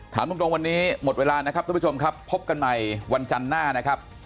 ถามตรงวันนี้หมดเวลานะครับทุกผู้ชมครับพบกันใหม่วันจันทร์หน้านะครับ